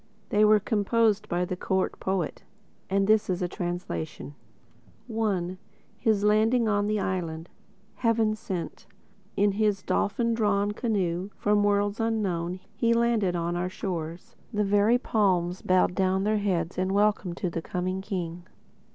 They were composed by the Court Poet; and this is a translation: I (His Landing on The Island) Heaven sent, In his dolphin drawn canoe From worlds unknown He landed on our shores. The very palms Bowed down their heads In welcome to the coming King.